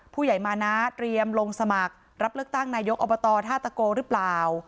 ผู้ใหญ่มานะเตรียมลงสมัครรับเลือกตั้งนายกอบตท่าตะโกหรือเปล่า